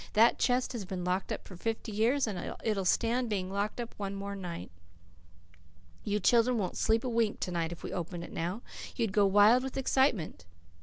"That chest has been locked up for fifty years, and it'll stand being locked up one more night. You children wouldn't sleep a wink to night if we opened it now. You'd go wild with excitement."